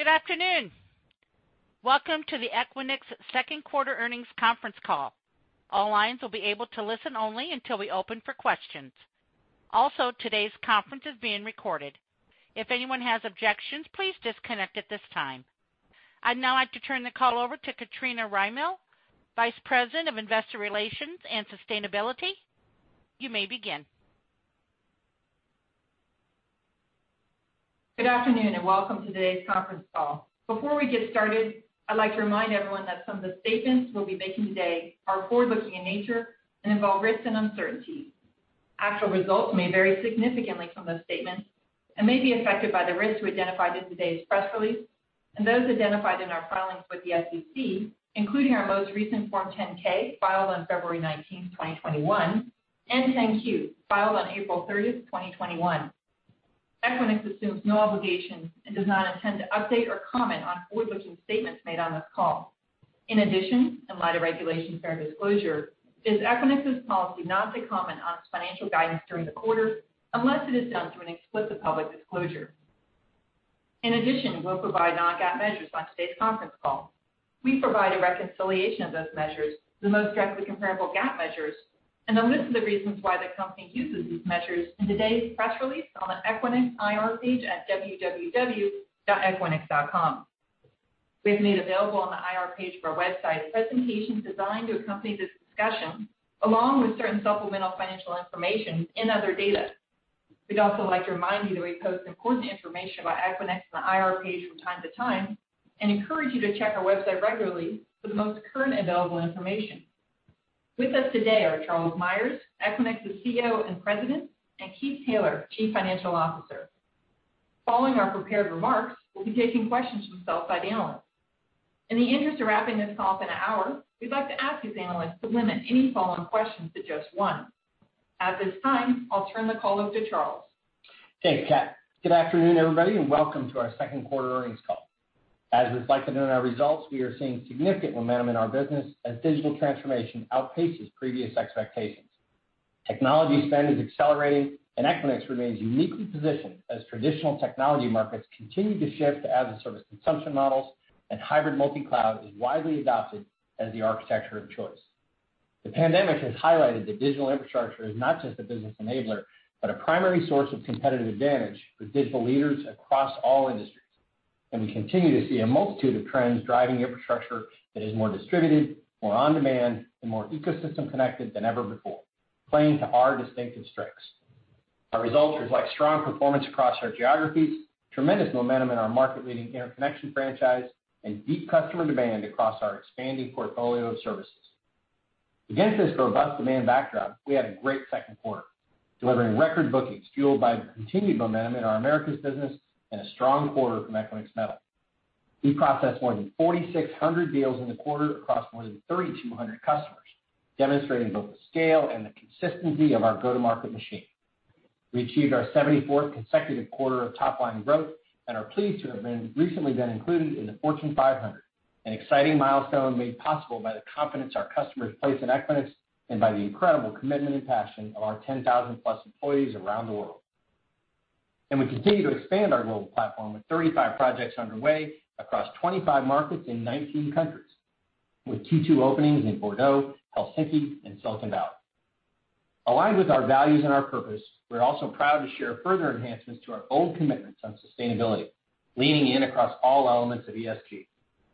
Good afternoon. Welcome to the Equinix Q2 earnings conference call. All lines will be able to listen only until we open for questions. Also, today's conference is being recorded. If anyone has objections, please disconnect at this time. I'd now like to turn the call over to Katrina Rymill, Vice President of Investor Relations and Sustainability. You may begin. Good afternoon, and welcome to today's conference call. Before we get started, I'd like to remind everyone that some of the statements we'll be making today are forward-looking in nature and involve risks and uncertainties. Actual results may vary significantly from those statements and may be affected by the risks we identified in today's press release and those identified in our filings with the SEC, including our most recent Form 10-K, filed on February 19th, 2021, and 10-Q, filed on April 30th, 2021. Equinix assumes no obligation and does not intend to update or comment on forward-looking statements made on this call. In addition, in light of Regulation Fair Disclosure, it is Equinix's policy not to comment on its financial guidance during the quarter unless it is done through an explicit public disclosure. In addition, we'll provide non-GAAP measures on today's conference call. We provide a reconciliation of those measures to the most directly comparable GAAP measures and a list of the reasons why the company uses these measures in today's press release on the Equinix IR page at www.equinix.com. We have made available on the IR page of our website a presentation designed to accompany this discussion, along with certain supplemental financial information and other data. We'd also like to remind you that we post important information about Equinix on the IR page from time to time and encourage you to check our website regularly for the most current available information. With us today are Charles Meyers, Equinix's CEO and President, and Keith Taylor, Chief Financial Officer. Following our prepared remarks, we'll be taking questions from sell-side analysts. In the interest of wrapping this call up in an hour, we'd like to ask these analysts to limit any follow-up questions to just one. At this time, I'll turn the call over to Charles. Thanks, Kat. Good afternoon, everybody, and welcome to our Q2 earnings call. As reflected in our results, we are seeing significant momentum in our business as digital transformation outpaces previous expectations. Technology spend is accelerating, and Equinix remains uniquely positioned as traditional technology markets continue to shift to as-a-service consumption models and hybrid multi-cloud is widely adopted as the architecture of choice. The pandemic has highlighted that digital infrastructure is not just a business enabler, but a primary source of competitive advantage for digital leaders across all industries. We continue to see a multitude of trends driving infrastructure that is more distributed, more on-demand, and more ecosystem connected than ever before, playing to our distinctive strengths. Our results reflect strong performance across our geographies, tremendous momentum in our market-leading interconnection franchise, and deep customer demand across our expanding portfolio of services. Against this robust demand backdrop, we had a great Q2, delivering record bookings fueled by the continued momentum in our Americas business and a strong quarter from Equinix Metal. We processed more than 4,600 deals in the quarter across more than 3,200 customers, demonstrating both the scale and the consistency of our go-to-market machine. We achieved our 74th consecutive quarter of top-line growth and are pleased to have recently been included in the Fortune 500, an exciting milestone made possible by the confidence our customers place in Equinix and by the incredible commitment and passion of our 10,000-plus employees around the world. We continue to expand our global platform with 35 projects underway across 25 markets in 19 countries, with Q2 openings in Bordeaux, Helsinki, and Silicon Valley. Aligned with our values and our purpose, we're also proud to share further enhancements to our bold commitments on sustainability, leaning in across all elements of ESG.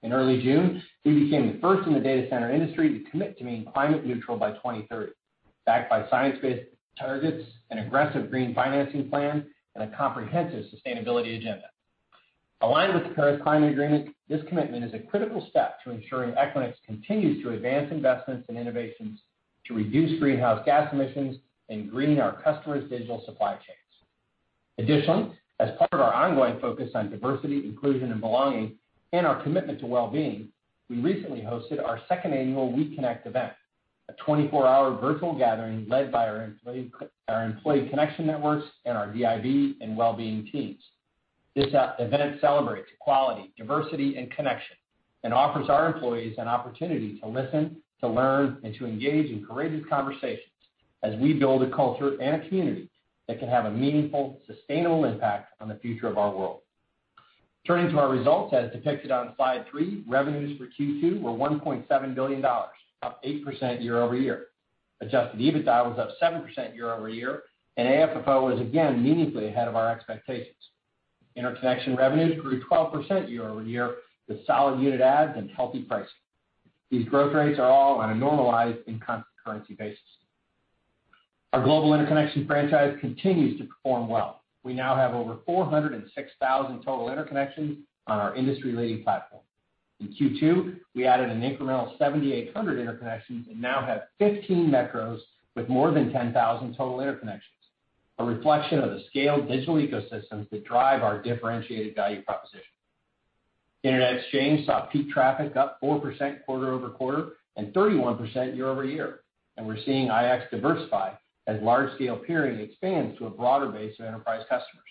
In early June, we became the first in the data center industry to commit to being climate neutral by 2030, backed by science-based targets, an aggressive green financing plan, and a comprehensive sustainability agenda. Aligned with the Paris Climate Agreement, this commitment is a critical step to ensuring Equinix continues to advance investments and innovations to reduce greenhouse gas emissions and green our customers' digital supply chains. Additionally, as part of our ongoing focus on diversity, inclusion, and belonging, and our commitment to well-being, we recently hosted our second annual WeConnect event, a 24-hour virtual gathering led by our employee connection networks and our DIB and well-being teams. This event celebrates equality, diversity, and connection and offers our employees an opportunity to listen, to learn, and to engage in courageous conversations as we build a culture and a community that can have a meaningful, sustainable impact on the future of our world. Turning to our results as depicted on slide three, revenues for Q2 were $1.7 billion, up 8% year-over-year. Adjusted EBITDA was up 7% year-over-year, and AFFO was again meaningfully ahead of our expectations. Interconnection revenues grew 12% year-over-year with solid unit adds and healthy pricing. These growth rates are all on a normalized and constant currency basis. Our global interconnection franchise continues to perform well. We now have over 406,000 total interconnections on our industry-leading platform. In Q2, we added an incremental 7,800 interconnections and now have 15 metros with more than 10,000 total interconnections, a reflection of the scaled digital ecosystems that drive our differentiated value proposition. Internet Exchange saw peak traffic up 4% quarter-over-quarter and 31% year-over-year, and we're seeing IX diversify as large-scale peering expands to a broader base of enterprise customers.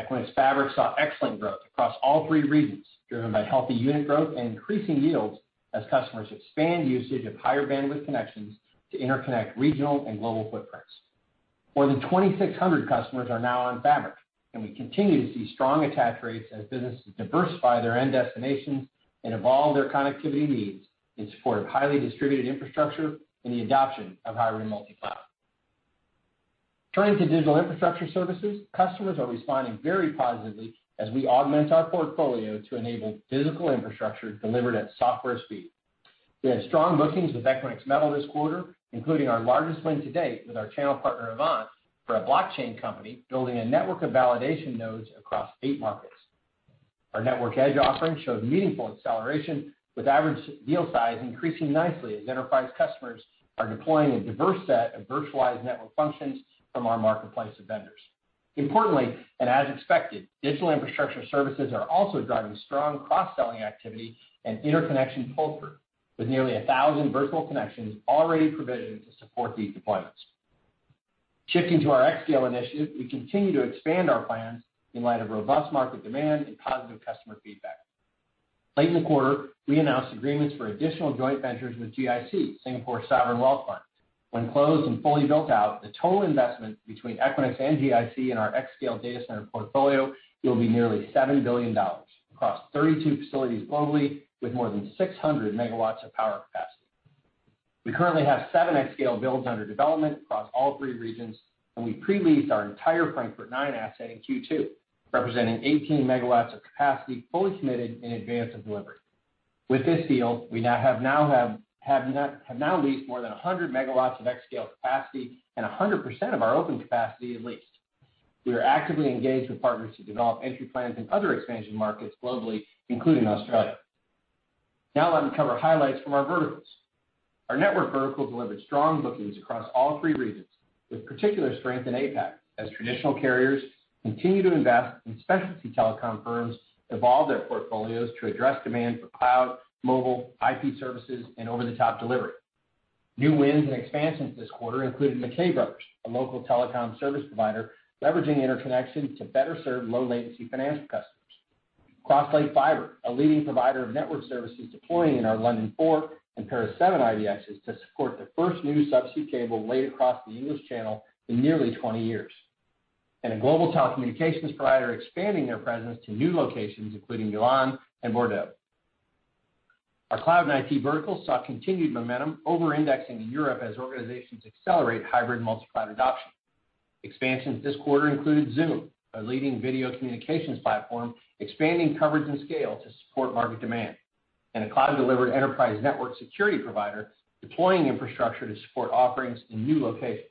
Equinix Fabric saw excellent growth across all three regions, driven by healthy unit growth and increasing yields as customers expand usage of higher bandwidth connections to interconnect regional and global footprints. More than 2,600 customers are now on Fabric, and we continue to see strong attach rates as businesses diversify their end destinations and evolve their connectivity needs in support of highly distributed infrastructure and the adoption of hybrid multi-cloud. Turning to digital infrastructure services, customers are responding very positively as we augment our portfolio to enable physical infrastructure delivered at software speed. We had strong bookings with Equinix Metal this quarter, including our largest win to date with our channel partner, AVANT, for a blockchain company building a network of validation nodes across eight markets. Our Network Edge offering showed meaningful acceleration with average deal size increasing nicely as enterprise customers are deploying a diverse set of virtualized network functions from our marketplace of vendors. Importantly, as expected, digital infrastructure services are also driving strong cross-selling activity and interconnection pull-through, with nearly 1,000 virtual connections already provisioned to support these deployments. Shifting to our xScale initiative, we continue to expand our plans in light of robust market demand and positive customer feedback. Late in the quarter, we announced agreements for additional joint ventures with GIC, Singapore's sovereign wealth fund. When closed and fully built out, the total investment between Equinix and GIC in our xScale data center portfolio will be nearly $7 billion across 32 facilities globally with more than 600 MW of power capacity. We currently have seven xScale builds under development across all three regions, and we pre-leased our entire Frankfurt 9 asset in Q2, representing 18 MW of capacity fully committed in advance of delivery. With this deal, we have now leased more than 100 MW of xScale capacity and 100% of our open capacity is leased. We are actively engaged with partners to develop entry plans in other expansion markets globally, including Australia. Let me cover highlights from our verticals. Our network vertical delivered strong bookings across all three regions, with particular strength in APAC, as traditional carriers continue to invest, and specialty telecom firms evolve their portfolios to address demand for cloud, mobile, IP services, and over-the-top delivery. New wins and expansions this quarter included McKay Brothers, a local telecom service provider leveraging interconnection to better serve low latency financial customers. Crosslake Fibre, a leading provider of network services deploying in our London 4 and Paris 7 IBXs to support the first new subsea cable laid across the English Channel in nearly 20 years. A global telecommunications provider expanding their presence to new locations, including Milan and Bordeaux. Our cloud and IP vertical saw continued momentum over-indexing in Europe as organizations accelerate hybrid multi-cloud adoption. Expansions this quarter included Zoom, a leading video communications platform, expanding coverage and scale to support market demand, and a cloud delivery enterprise network security provider deploying infrastructure to support offerings in new locations.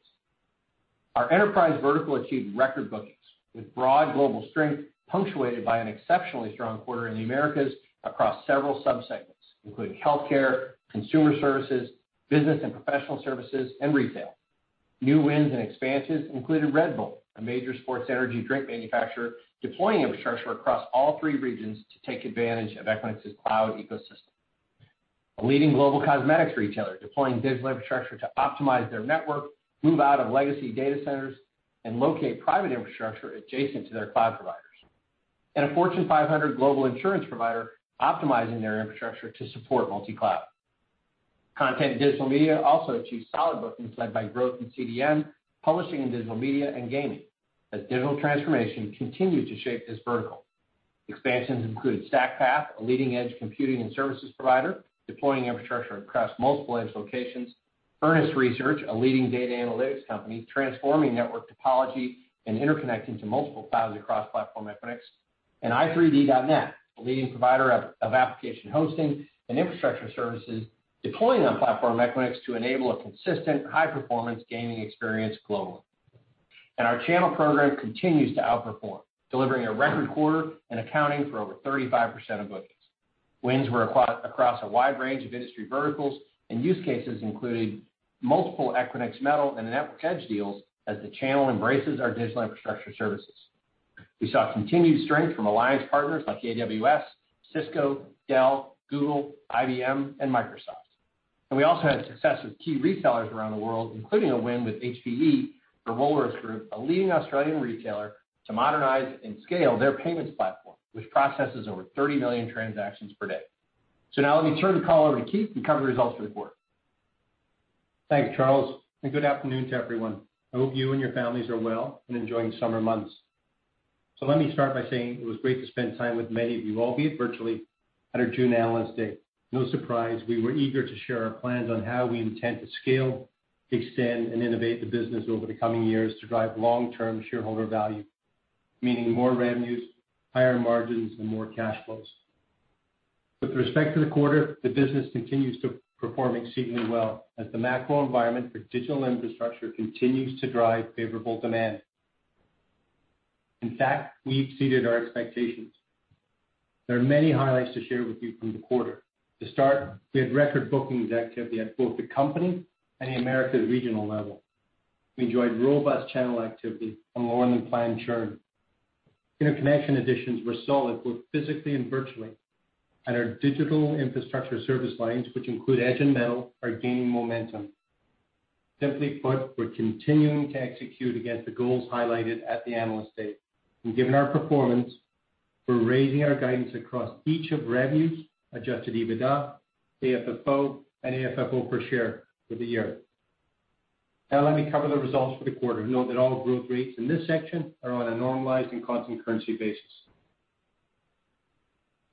Our enterprise vertical achieved record bookings with broad global strength, punctuated by an exceptionally strong quarter in the Americas across several sub-segments, including healthcare, consumer services, business and professional services, and retail. New wins and expansions included Red Bull, a major sports energy drink manufacturer, deploying infrastructure across all three regions to take advantage of Equinix's cloud ecosystem. A leading global cosmetics retailer deploying digital infrastructure to optimize their network, move out of legacy data centers, and locate private infrastructure adjacent to their cloud providers. A Fortune 500 global insurance provider optimizing their infrastructure to support multi-cloud. Content and digital media also achieved solid bookings led by growth in CDN, publishing and digital media, and gaming, as digital transformation continued to shape this vertical. Expansions included StackPath, a leading edge computing and services provider, deploying infrastructure across multiple edge locations. Earnest Research, a leading data analytics company, transforming network topology and interconnecting to multiple clouds across Platform Equinix. i3D.net, a leading provider of application hosting and infrastructure services, deploying on Platform Equinix to enable a consistent high-performance gaming experience globally. Our channel program continues to outperform, delivering a record quarter and accounting for over 35% of bookings. Wins were across a wide range of industry verticals and use cases including multiple Equinix Metal and Network Edge deals as the channel embraces our digital infrastructure services. We saw continued strength from alliance partners like AWS, Cisco, Dell, Google, IBM, and Microsoft. We also had success with key retailers around the world, including a win with HPE for Woolworths Group, a leading Australian retailer, to modernize and scale their payments platform, which processes over 30 million transactions per day. Now let me turn the call over to Keith to cover the results for the quarter. Thanks, Charles. Good afternoon to everyone. I hope you and your families are well and enjoying the summer months. Let me start by saying it was great to spend time with many of you, albeit virtually, at our June Analyst Day. No surprise, we were eager to share our plans on how we intend to scale, extend, and innovate the business over the coming years to drive long-term shareholder value, meaning more revenues, higher margins, and more cash flows. With respect to the quarter, the business continues to perform exceedingly well as the macro environment for digital infrastructure continues to drive favorable demand. In fact, we exceeded our expectations. There are many highlights to share with you from the quarter. To start, we had record bookings activity at both the company and the Americas regional level. We enjoyed robust channel activity and more than planned churn. Interconnection additions were solid, both physically and virtually, and our digital infrastructure service lines, which include Edge and Metal, are gaining momentum. Simply put, we're continuing to execute against the goals highlighted at the Analyst Day. Given our performance, we're raising our guidance across each of revenues, adjusted EBITDA, AFFO, and AFFO per share for the year. Let me cover the results for the quarter. Note that all growth rates in this section are on a normalized and constant currency basis.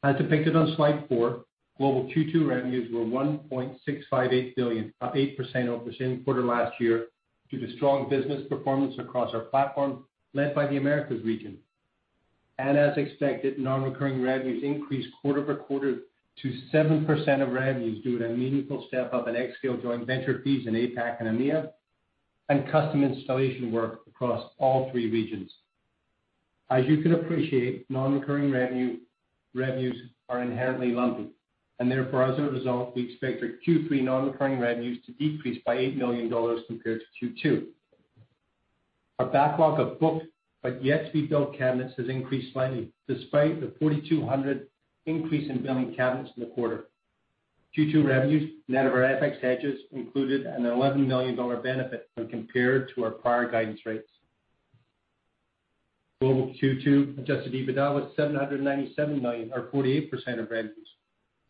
As depicted on slide four, global Q2 revenues were $1.658 billion, up 8% over the same quarter last year due to strong business performance across our Platform, led by the Americas region. As expected, non-recurring revenues increased quarter-over-quarter to 7% of revenues due to a meaningful step-up in xScale joint venture fees in APAC and EMEA, and custom installation work across all three regions. As you can appreciate, non-recurring revenues are inherently lumpy, and therefore, as a result, we expect our Q3 non-recurring revenues to decrease by $8 million compared to Q2. Our backlog of booked but yet to be built cabinets has increased slightly despite the 4,200 increase in billing cabinets in the quarter. Q2 revenues net of our FX hedges included an $11 million benefit when compared to our prior guidance rates. Global Q2 adjusted EBITDA was $797 million, or 48% of revenues.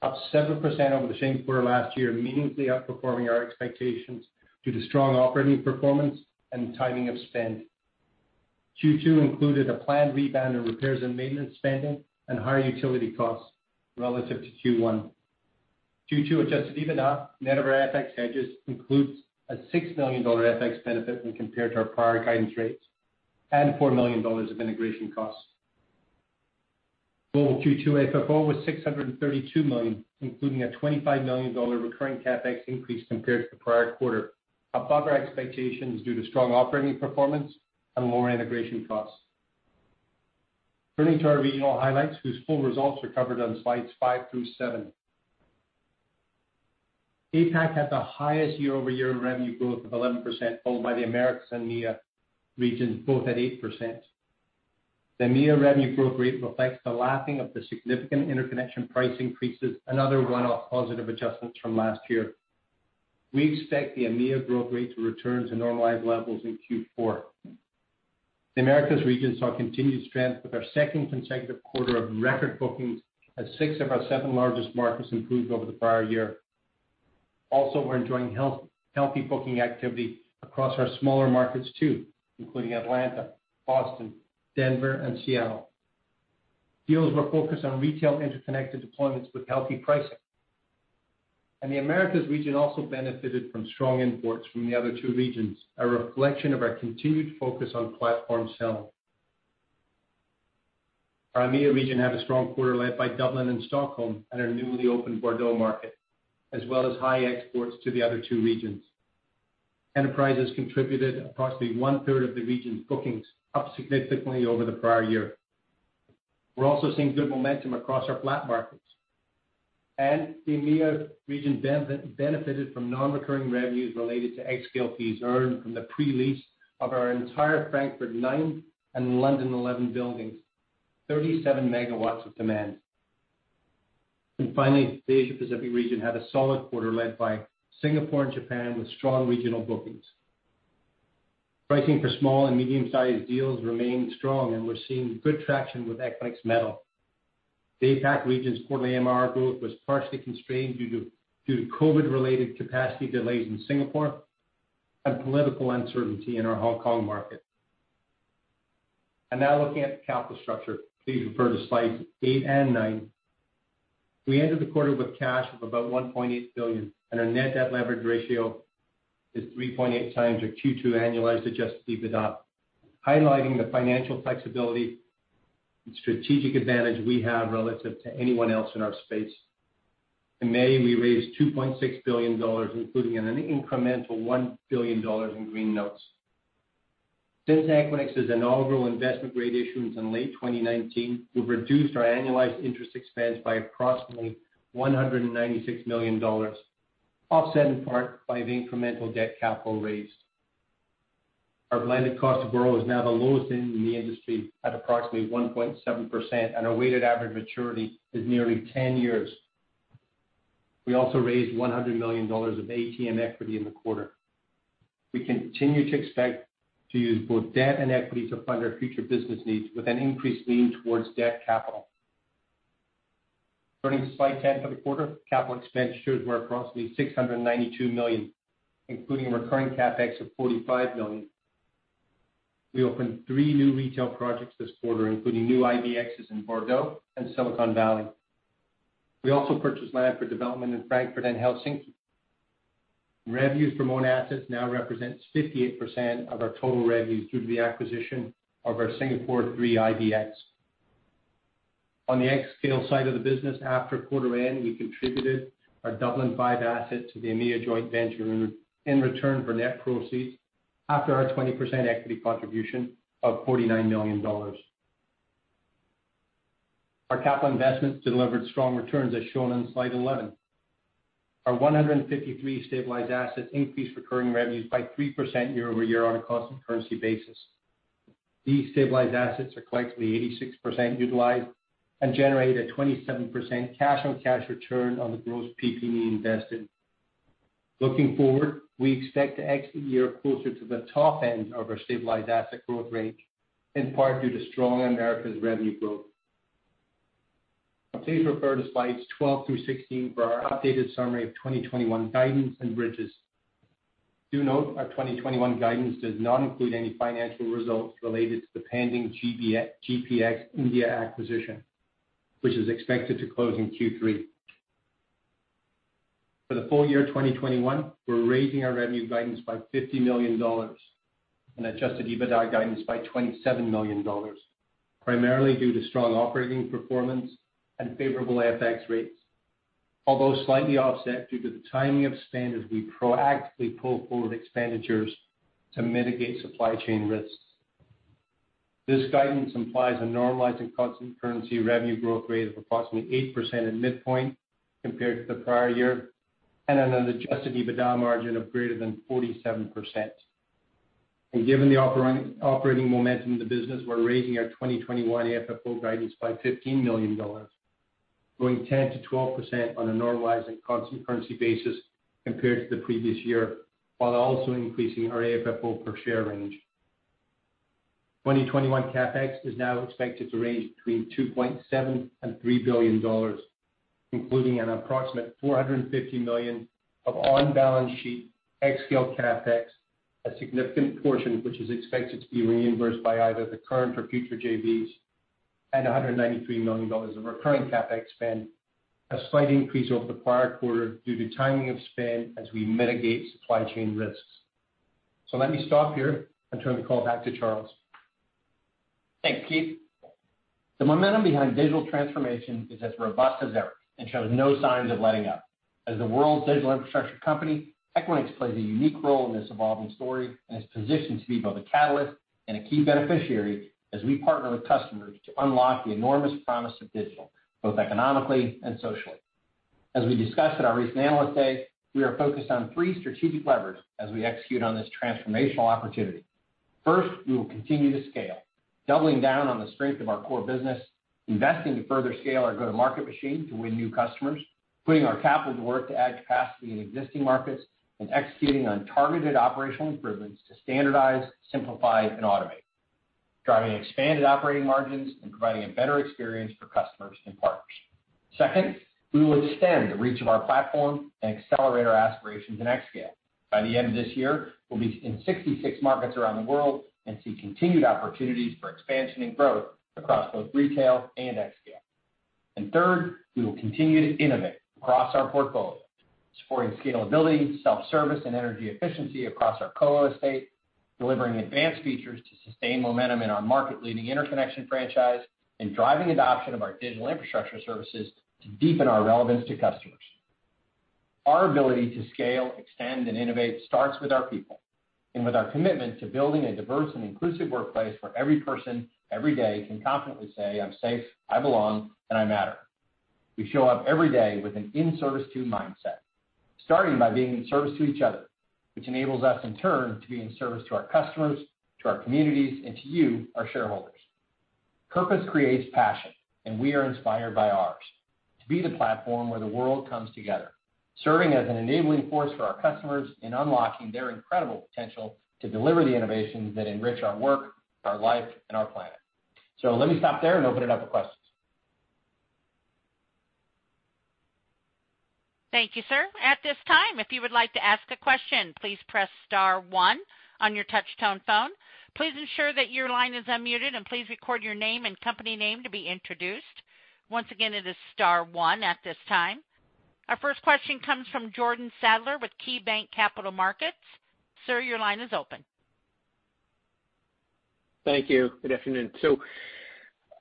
Up 7% over the same quarter last year, meaningfully outperforming our expectations due to strong operating performance and timing of spend. Q2 included a planned rebound in repairs and maintenance spending and higher utility costs relative to Q1. Q2 adjusted EBITDA net of our FX hedges includes a $6 million FX benefit when compared to our prior guidance rates and $4 million of integration costs. Global Q2 AFFO was $632 million, including a $25 million recurring CapEx increase compared to the prior quarter, above our expectations due to strong operating performance and lower integration costs. Turning to our regional highlights, whose full results are covered on slides five through seven. APAC had the highest year-over-year revenue growth of 11%, followed by the Americas and EMEA regions, both at 8%. The EMEA revenue growth rate reflects the lapping of the significant interconnection price increases another one-off positive adjustments from last year. We expect the EMEA growth rate to return to normalized levels in Q4. The Americas region saw continued strength with our second consecutive quarter of record bookings as six of our seven largest markets improved over the prior year. Also, we're enjoying healthy booking activity across our smaller markets too, including Atlanta, Boston, Denver, and Seattle. Deals were focused on retail interconnected deployments with healthy pricing. The Americas region also benefited from strong imports from the other two regions, a reflection of our continued focus on platform sell. Our EMEA region had a strong quarter led by Dublin and Stockholm and our newly opened Bordeaux market, as well as high exports to the other two regions. Enterprises contributed approximately one-third of the region's bookings, up significantly over the prior year. We're also seeing good momentum across our FLAP markets. The EMEA region benefited from non-recurring revenues related to xScale fees earned from the pre-lease of our entire Frankfurt 9 and London 11 buildings, 37 MW of demand. Finally, the Asia Pacific region had a solid quarter led by Singapore and Japan with strong regional bookings. Pricing for small and medium-sized deals remained strong, and we're seeing good traction with Equinix Metal. The APAC region's quarterly MRR growth was partially constrained due to COVID-related capacity delays in Singapore and political uncertainty in our Hong Kong market. Now looking at the capital structure. Please refer to slides eight and nine. We ended the quarter with cash of about $1.8 billion, and our net debt leverage ratio is 3.8 times our Q2 annualized adjusted EBITDA, highlighting the financial flexibility and strategic advantage we have relative to anyone else in our space. In May, we raised $2.6 billion, including an incremental $1 billion in green notes. Since Equinix's inaugural investment-grade issuance in late 2019, we've reduced our annualized interest expense by approximately $196 million, offset in part by the incremental debt capital raised. Our blended cost of borrow is now the lowest in the industry at approximately 1.7%, and our weighted average maturity is nearly 10 years. We also raised $100 million of ATM equity in the quarter. We continue to expect to use both debt and equity to fund our future business needs with an increased lean towards debt capital. Turning to slide 10 for the quarter, capital expenditures were approximately $692 million, including recurring CapEx of $45 million. We opened three new retail projects this quarter, including new IBXs in Bordeaux and Silicon Valley. We also purchased land for development in Frankfurt and Helsinki. Revenues from owned assets now represents 58% of our total revenues due to the acquisition of our Singapore 3 IBX. On the xScale side of the business, after quarter end, we contributed our Dublin 5 asset to the EMEA joint venture in return for net proceeds after our 20% equity contribution of $49 million. Our capital investments delivered strong returns, as shown on slide 11. Our 153 stabilized assets increased recurring revenues by 3% year-over-year on a constant currency basis. These stabilized assets are collectively 86% utilized and generate a 27% cash on cash return on the gross PP&E invested. Looking forward, we expect to exit the year closer to the top end of our stabilized asset growth range, in part due to strong Americas revenue growth. Please refer to slides 12 through 16 for our updated summary of 2021 guidance and bridges. Do note our 2021 guidance does not include any financial results related to the pending GPX India acquisition, which is expected to close in Q3. For the full year 2021, we're raising our revenue guidance by $50 million and adjusted EBITDA guidance by $27 million, primarily due to strong operating performance and favorable FX rates. Although slightly offset due to the timing of spend as we proactively pull forward expenditures to mitigate supply chain risks. This guidance implies a normalizing constant currency revenue growth rate of approximately 8% at midpoint compared to the prior year, and an adjusted EBITDA margin of greater than 47%. Given the operating momentum of the business, we're raising our 2021 AFFO guidance by $15 million, growing 10%-12% on a normalizing constant currency basis compared to the previous year, while also increasing our AFFO per share range. 2021 CapEx is now expected to range between $2.7 billion and $3 billion, including an approximate $450 million of on-balance sheet xScale CapEx, a significant portion of which is expected to be reimbursed by either the current or future JVs, and $193 million of recurring CapEx spend, a slight increase over the prior quarter due to timing of spend as we mitigate supply chain risks. Let me stop here and turn the call back to Charles. Thanks, Keith. The momentum behind digital transformation is as robust as ever and shows no signs of letting up. As the world's digital infrastructure company, Equinix plays a unique role in this evolving story and is positioned to be both a catalyst and a key beneficiary as we partner with customers to unlock the enormous promise of digital, both economically and socially. As we discussed at our recent Analyst Day, we are focused on three strategic levers as we execute on this transformational opportunity. First, we will continue to scale, doubling down on the strength of our core business, investing to further scale our go-to-market machine to win new customers, putting our capital to work to add capacity in existing markets, and executing on targeted operational improvements to standardize, simplify, and automate, driving expanded operating margins and providing a better experience for customers and partners. Second, we will extend the reach of our platform and accelerate our aspirations in xScale. By the end of this year, we'll be in 66 markets around the world and see continued opportunities for expansion and growth across both retail and xScale. Third, we will continue to innovate across our portfolio, supporting scalability, self-service, and energy efficiency across our colo estate, delivering advanced features to sustain momentum in our market-leading interconnection franchise, and driving adoption of our digital infrastructure services to deepen our relevance to customers. Our ability to scale, extend, and innovate starts with our people, and with our commitment to building a diverse and inclusive workplace where every person every day can confidently say, "I'm safe, I belong, and I matter." We show up every day with an in-service-to mindset, starting by being in service to each other, which enables us in turn to be in service to our customers, to our communities, and to you, our shareholders. Purpose creates passion, and we are inspired by ours: to be the platform where the world comes together, serving as an enabling force for our customers in unlocking their incredible potential to deliver the innovations that enrich our work, our life, and our planet. Let me stop there and open it up for questions. Thank you, sir. Our first question comes from Jordan Sadler with KeyBanc Capital Markets. Sir, your line is open. Thank you. Good afternoon.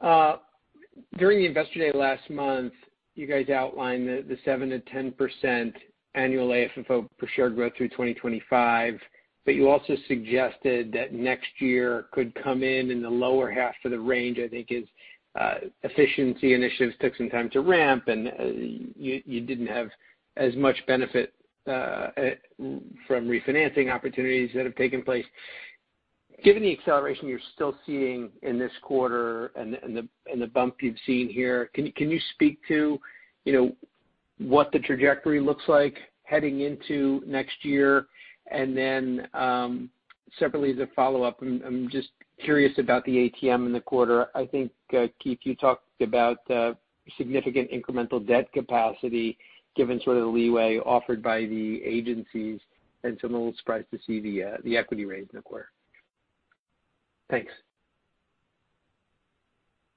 During the Investor Day last month, you guys outlined the 7%-10% annual AFFO per share growth through 2025, you also suggested that next year could come in in the lower half of the range. I think as efficiency initiatives took some time to ramp, you didn't have as much benefit from refinancing opportunities that have taken place. Given the acceleration you're still seeing in this quarter and the bump you've seen here, can you speak to what the trajectory looks like heading into next year? Separately as a follow-up, I'm just curious about the ATM in the quarter. I think, Keith, you talked about significant incremental debt capacity given the leeway offered by the agencies, I'm a little surprised to see the equity raise in the quarter. Thanks.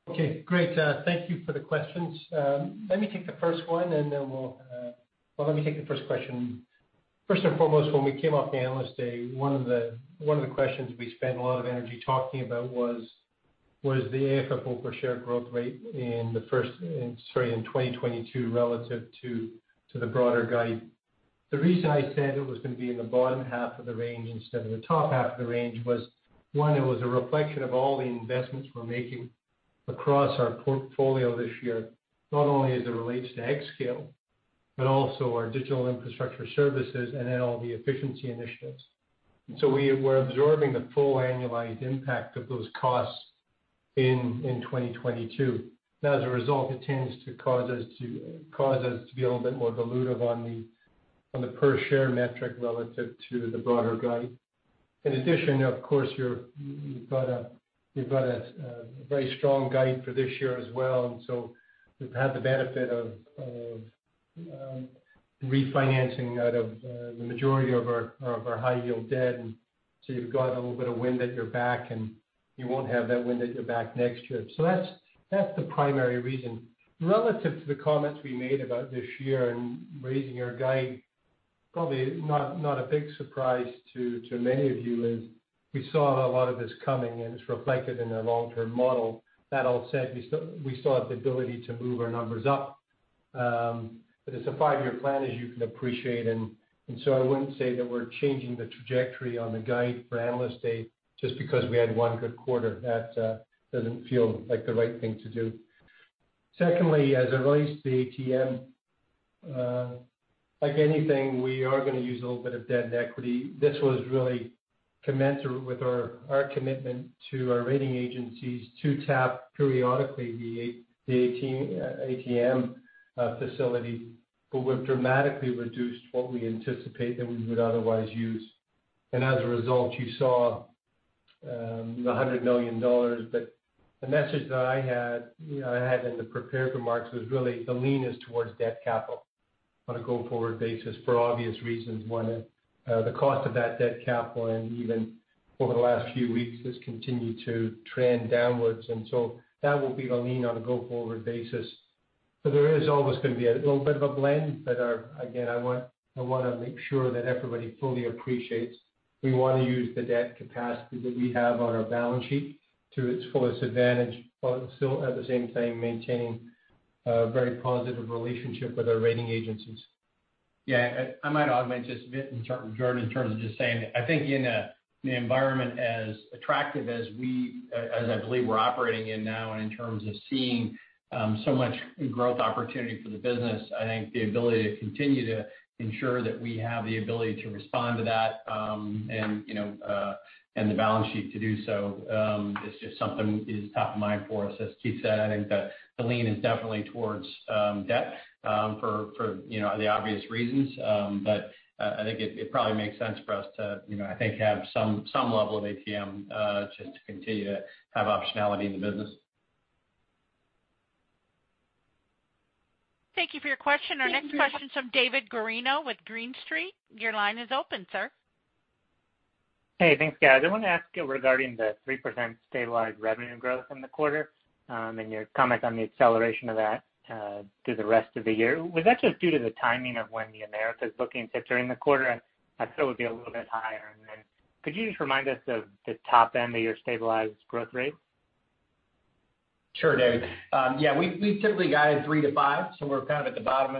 Okay, great. Thank you for the questions. Let me take the first question. First and foremost, when we came off Analyst Day, one of the questions we spent a lot of energy talking about was the AFFO per share growth rate in 2022 relative to the broader guide. The reason I said it was going to be in the bottom half of the range instead of the top half of the range was, one, it was a reflection of all the investments we're making across our portfolio this year, not only as it relates to xScale, but also our digital infrastructure services and then all the efficiency initiatives. We're absorbing the full annualized impact of those costs in 2022. As a result, it tends to cause us to be a little bit more dilutive on the per share metric relative to the broader guide. In addition, of course, you've got a very strong guide for this year as well. We've had the benefit of refinancing out of the majority of our high yield debt. You've got a little bit of wind at your back, and you won't have that wind at your back next year. That's the primary reason. Relative to the comments we made about this year and raising our guide, probably not a big surprise to many of you is we saw a lot of this coming, and it's reflected in our long-term model. That all said, we saw the ability to move our numbers up. It's a five-year plan, as you can appreciate, and so I wouldn't say that we're changing the trajectory on the guide for Analyst Day just because we had one good quarter. That doesn't feel like the right thing to do. Secondly, as it relates to the ATM, like anything, we are going to use a little bit of debt and equity. This was really commensurate with our commitment to our rating agencies to tap periodically the ATM facility. We've dramatically reduced what we anticipate that we would otherwise use. As a result, you saw the $100 million. The message that I had in the prepared remarks was really the lean is towards debt capital on a go-forward basis, for obvious reasons. 1, the cost of that debt capital, and even over the last few weeks, has continued to trend downwards. That will be the lean on a go-forward basis. There is always going to be a little bit of a blend. Again, I want to make sure that everybody fully appreciates we want to use the debt capacity that we have on our balance sheet to its fullest advantage, while still at the same time maintaining a very positive relationship with our rating agencies. Yeah, I might augment just a bit, Jordan, in terms of just saying, I think in the environment as attractive as I believe we're operating in now, in terms of seeing so much growth opportunity for the business, I think the ability to continue to ensure that we have the ability to respond to that and the balance sheet to do so, is just something is top of mind for us. As Keith said, I think the lean is definitely towards debt for the obvious reasons. I think it probably makes sense for us to have some level of ATM to continue to have optionality in the business. Thank you for your question. Our next question's from David Guarino with Green Street. Your line is open, sir. Hey, thanks, guys. I want to ask regarding the 3% stabilized revenue growth in the quarter and your comment on the acceleration of that through the rest of the year. Was that just due to the timing of when the Americas booking sit during the quarter? I feel it would be a little bit higher. Could you just remind us of the top end of your stabilized growth rate? Sure, David. We typically guide 3-5, we're at the bottom,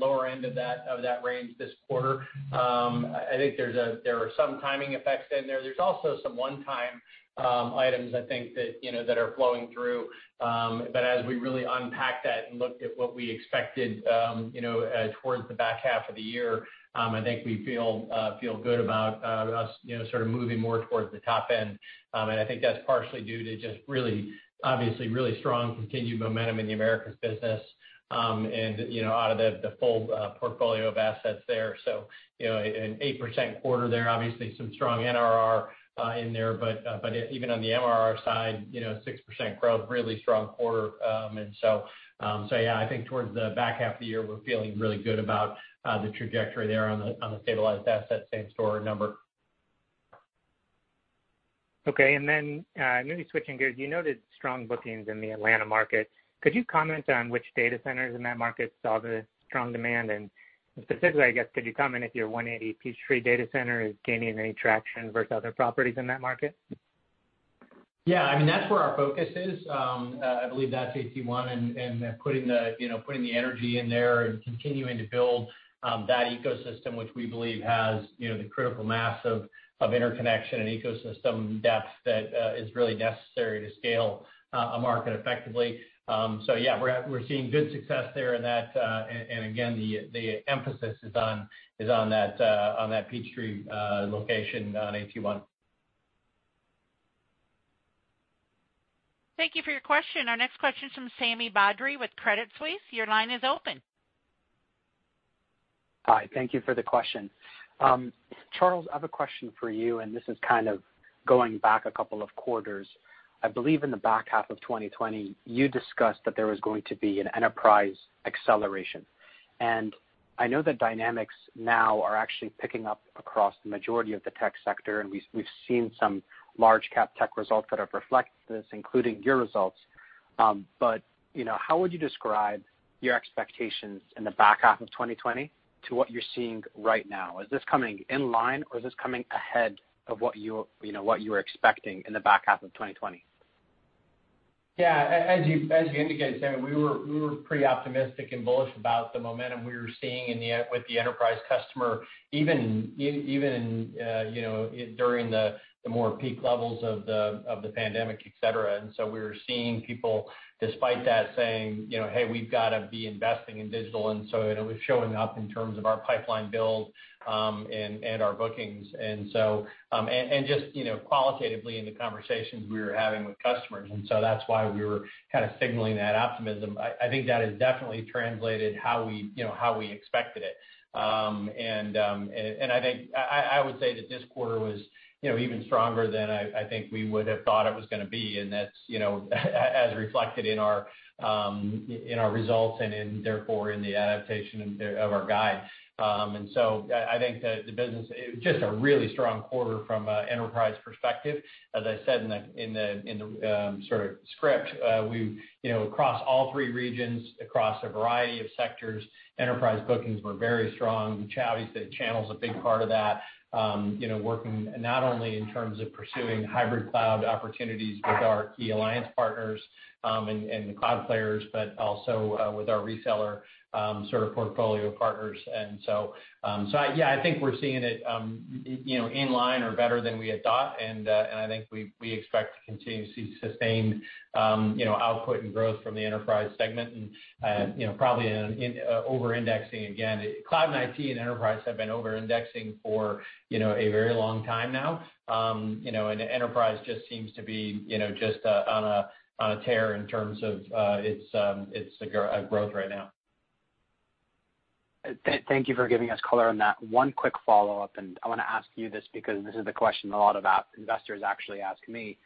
lower end of that range this quarter. I think there are some timing effects in there. There's also some one-time items, I think, that are flowing through. As we really unpack that and looked at what we expected towards the back half of the year, I think we feel good about us moving more towards the top end. I think that's partially due to just really obviously really strong continued momentum in the Americas business and out of the full portfolio of assets there. An 8% quarter there, obviously some strong NRR in there, but even on the MRR side, 6% growth, really strong quarter. Yeah, I think towards the back half of the year, we're feeling really good about the trajectory there on the stabilized asset same store number. Okay. Maybe switching gears, you noted strong bookings in the Atlanta market. Could you comment on which data centers in that market saw the strong demand? Specifically, I guess, could you comment if your 180 Peachtree data center is gaining any traction versus other properties in that market? Yeah, that's where our focus is. I believe that's AT1 and putting the energy in there and continuing to build that ecosystem, which we believe has the critical mass of interconnection and ecosystem depth that is really necessary to scale a market effectively. Yeah, we're seeing good success there in that. Again, the emphasis is on that Peachtree location on AT1. Thank you for your question. Our next question is from Sami Badri with Credit Suisse. Your line is open. Hi. Thank you for the question. Charles, I have a question for you, and this is kind of going back a couple of quarters. I believe in the back half of 2020, you discussed that there was going to be an enterprise acceleration. I know the dynamics now are actually picking up across the majority of the tech sector, and we've seen some large cap tech results that have reflected this, including your results. How would you describe your expectations in the back half of 2020 to what you're seeing right now? Is this coming in line or is this coming ahead of what you were expecting in the back half of 2020? Yeah. As you indicated, Sami, we were pretty optimistic and bullish about the momentum we were seeing with the enterprise customer, even during the more peak levels of the pandemic, et cetera. We were seeing people despite that, saying, "Hey, we've got to be investing in digital." Just qualitatively in the conversations we were having with customers. That's why we were kind of signaling that optimism. I think that has definitely translated how we expected it. I would say that this quarter was even stronger than I think we would have thought it was going to be. That's as reflected in our results and therefore in the adaptation of our guide. I think that the business, just a really strong quarter from an enterprise perspective. As I said in the sort of script, across all three regions, across a variety of sectors, enterprise bookings were very strong. The channel's a big part of that, working not only in terms of pursuing hybrid cloud opportunities with our key alliance partners and the cloud players, but also with our reseller sort of portfolio partners. I think we're seeing it inline or better than we had thought. I think we expect to continue to see sustained output and growth from the enterprise segment and probably over-indexing again. Cloud and IT and enterprise have been over-indexing for a very long time now. Enterprise just seems to be just on a tear in terms of its growth right now. Thank you for giving us color on that. One quick follow-up, I want to ask you this because this is the question a lot of investors actually ask me.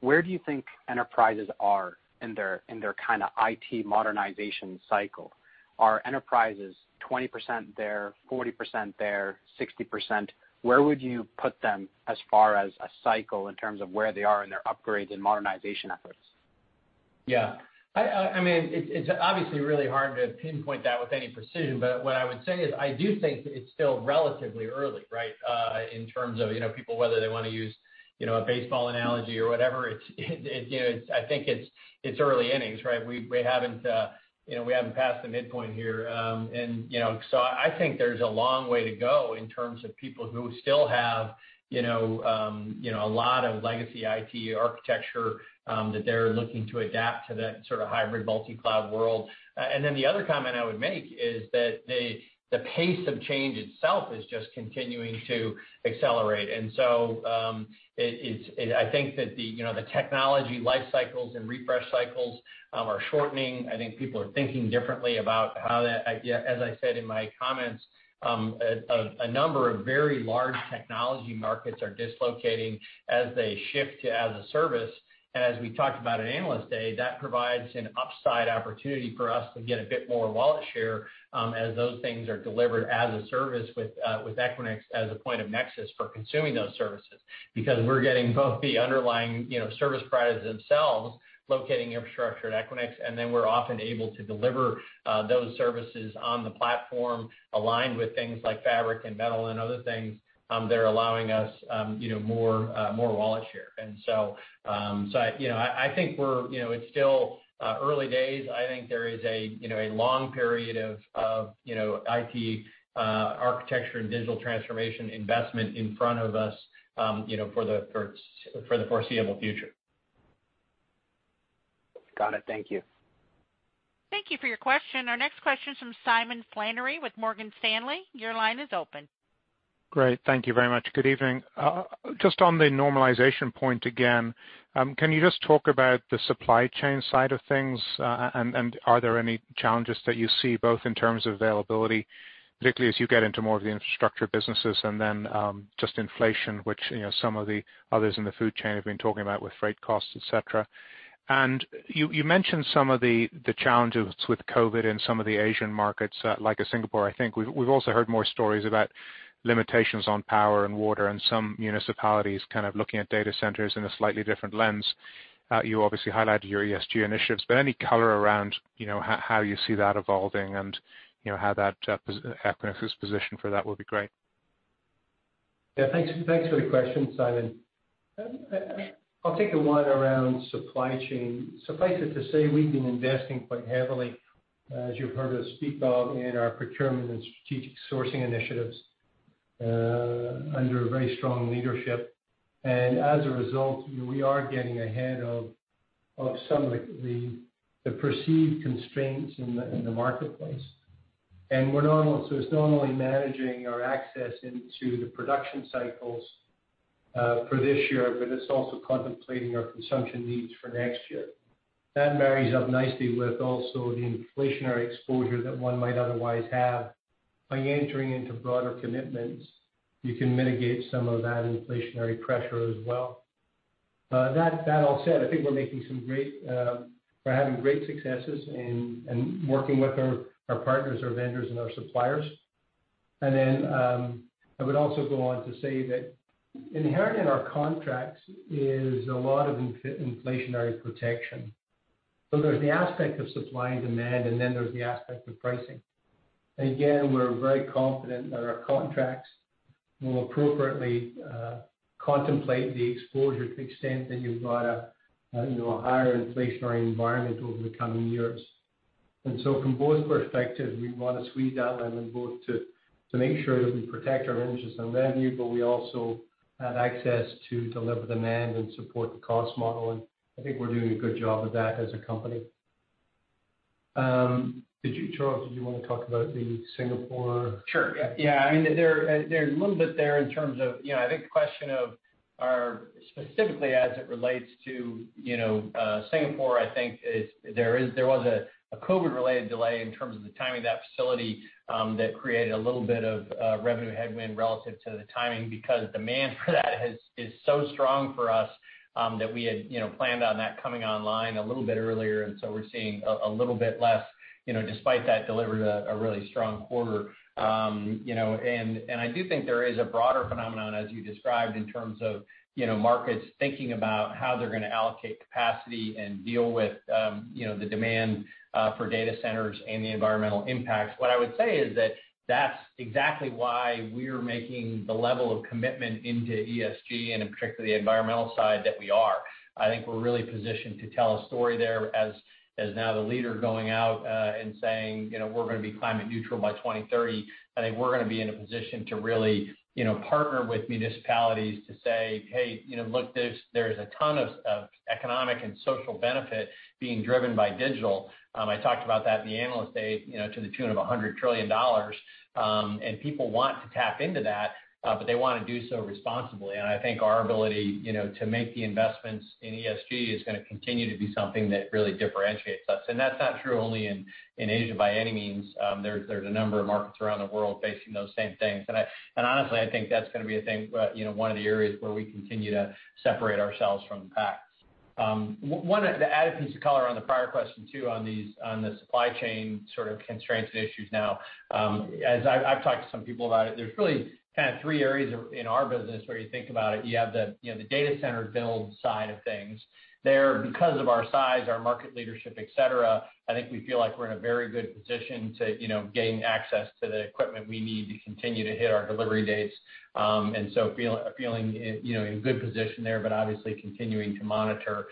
Where do you think enterprises are in their kind of IT modernization cycle? Are enterprises 20% there, 40% there, 60%? Where would you put them as far as a cycle in terms of where they are in their upgrades and modernization efforts? Yeah. It's obviously really hard to pinpoint that with any precision. I do think it's still relatively early, right, in terms of people, whether they want to use a baseball analogy or whatever. I think it's early innings, right? We haven't passed the midpoint here. I think there's a long way to go in terms of people who still have a lot of legacy IT architecture that they're looking to adapt to that sort of hybrid multi-cloud world. The other comment I would make is that the pace of change itself is just continuing to accelerate. I think that the technology life cycles and refresh cycles are shortening. I think people are thinking differently about how that, as I said in my comments, a number of very large technology markets are dislocating as they shift to as-a-service. As we talked about at Analyst Day, that provides an upside opportunity for us to get a bit more wallet share as those things are delivered as-a-service with Equinix as a point of nexus for consuming those services. Because we're getting both the underlying service providers themselves locating infrastructure at Equinix, then we're often able to deliver those services on the platform aligned with things like Fabric and Metal and other things that are allowing us more wallet share. I think it's still early days. I think there is a long period of IT architecture and digital transformation investment in front of us for the foreseeable future. Got it. Thank you. Thank you for your question. Our next question is from Simon Flannery with Morgan Stanley. Your line is open. Great. Thank you very much. Good evening. Just on the normalization point again, can you just talk about the supply chain side of things? Are there any challenges that you see both in terms of availability, particularly as you get into more of the infrastructure businesses, and then just inflation, which some of the others in the food chain have been talking about with freight costs, et cetera. You mentioned some of the challenges with COVID in some of the Asian markets, like Singapore. I think we've also heard more stories about limitations on power and water and some municipalities kind of looking at data centers in a slightly different lens. You obviously highlighted your ESG initiatives, but any color around how you see that evolving and how Equinix is positioned for that would be great. Thanks for the question, Simon. I'll take the one around supply chain. Suffice it to say, we've been investing quite heavily, as you've heard us speak about in our procurement and strategic sourcing initiatives, under very strong leadership. As a result, we are getting ahead of some of the perceived constraints in the marketplace. It's not only managing our access into the production cycles for this year, but it's also contemplating our consumption needs for next year. That marries up nicely with also the inflationary exposure that one might otherwise have. By entering into broader commitments, you can mitigate some of that inflationary pressure as well. That all said, I think we're having great successes in working with our partners, our vendors, and our suppliers. I would also go on to say that inherent in our contracts is a lot of inflationary protection. There's the aspect of supply and demand, and then there's the aspect of pricing. We're very confident that our contracts will appropriately contemplate the exposure to the extent that you've got a higher inflationary environment over the coming years. From both perspectives, we want to squeeze that lemon both to make sure that we protect our interests and revenue, but we also have access to deliver demand and support the cost model. I think we're doing a good job of that as a company. Charles, did you want to talk about the Singapore-? Sure. Yeah. There's a little bit there in terms of, I think the question of specifically as it relates to Singapore, I think there was a COVID related delay in terms of the timing of that facility, that created a little bit of revenue headwind relative to the timing, because demand for that is so strong for us that we had planned on that coming online a little bit earlier. We're seeing a little bit less, despite that delivered a really strong quarter. I do think there is a broader phenomenon as you described, in terms of markets thinking about how they're going to allocate capacity and deal with the demand for data centers and the environmental impacts. What I would say is that's exactly why we're making the level of commitment into ESG, and in particular the environmental side that we are. I think we're really positioned to tell a story there as now the leader going out and saying, we're going to be climate neutral by 2030. I think we're going to be in a position to really partner with municipalities to say, hey, look, there's a ton of economic and social benefit being driven by digital. I talked about that in the Analyst Day, to the tune of $100 trillion. People want to tap into that, but they want to do so responsibly. I think our ability to make the investments in ESG is going to continue to be something that really differentiates us. That's not true only in Asia by any means. There's a number of markets around the world facing those same things. Honestly, I think that's going to be one of the areas where we continue to separate ourselves from the pack. To add to color on the prior question too, on the supply chain sort of constraints and issues now. As I've talked to some people about it, there's really kind of three areas in our business where you think about it. You have the data center build side of things. There, because of our size, our market leadership, et cetera, I think we feel like we're in a very good position to gain access to the equipment we need to continue to hit our delivery dates. We are feeling in a good position there, but obviously continuing to monitor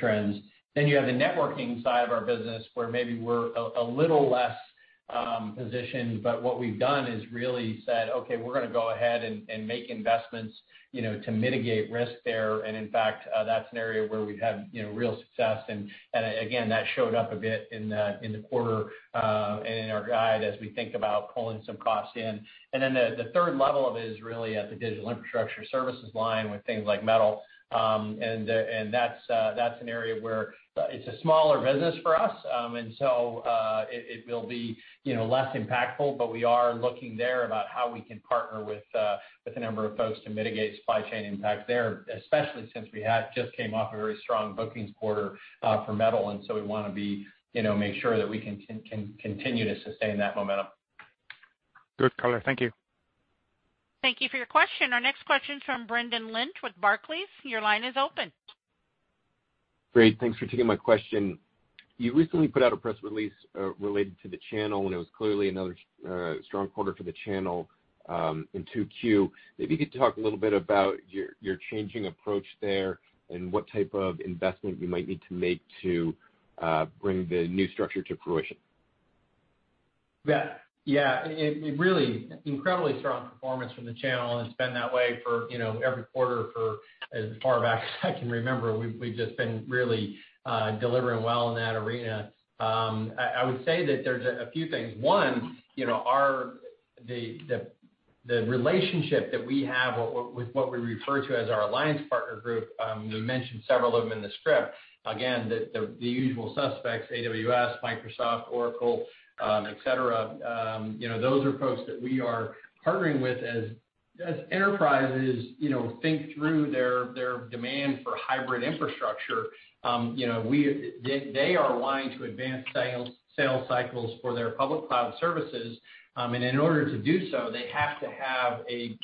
trends. You have the networking side of our business, where maybe we're a little less positioned, but what we've done is really said, okay, we're going to go ahead and make investments to mitigate risk there. In fact, that's an area where we've had real success and, again, that showed up a bit in the quarter, and in our guide as we think about pulling some costs in. Then the third level of it is really at the digital infrastructure services line with things like Metal. That's an area where it's a smaller business for us, and so it will be less impactful, but we are looking there about how we can partner with a number of folks to mitigate supply chain impact there, especially since we had just came off a very strong bookings quarter for Metal, and so we want to make sure that we can continue to sustain that momentum. Good color. Thank you. Thank you for your question. Our next question is from Brendan Lynch with Barclays. Your line is open. Great. Thanks for taking my question. You recently put out a press release related to the channel. It was clearly another strong quarter for the channel in 2Q. Maybe you could talk a little bit about your changing approach there and what type of investment you might need to make to bring the new structure to fruition. Really incredibly strong performance from the channel, it's been that way for every quarter for as far back as I can remember. We've just been really delivering well in that arena. I would say that there's a few things. One, the relationship that we have with what we refer to as our alliance partner group, we mentioned several of them in the script. Again, the usual suspects, AWS, Microsoft, Oracle, et cetera, those are folks that we are partnering with as enterprises think through their demand for hybrid infrastructure. They are wanting to advance sales cycles for their public cloud services. In order to do so, they have to have a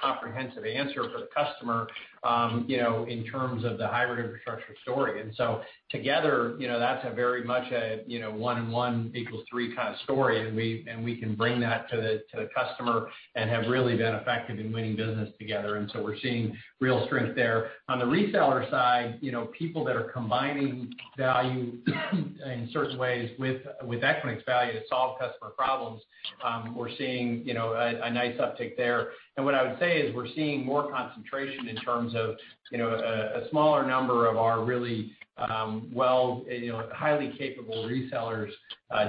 comprehensive answer for the customer in terms of the hybrid infrastructure story. Together, that's a very much a one and one equals three kind of story, and we can bring that to the customer and have really been effective in winning business together. We're seeing real strength there. On the reseller side, people that are combining value in certain ways with Equinix value to solve customer problems, we're seeing a nice uptick there. What I would say is we're seeing more concentration in terms of a smaller number of our really highly capable resellers